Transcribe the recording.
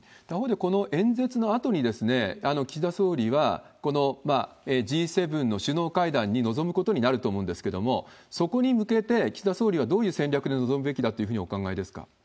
他方でこの演説のあとに岸田総理は、このＧ７の首脳会談に臨むことになると思うんですけれども、そこに向けて、岸田総理はどういう戦略で臨むべきだというふうにお考